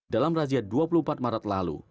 dalam razia dua puluh empat maret lalu